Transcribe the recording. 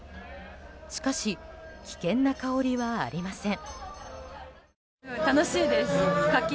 しかし危険な香りはありません。